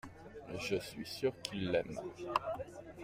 Je suis sûr qu’il aime.